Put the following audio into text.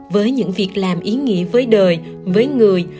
với những việc làm ý nghĩa với đời với người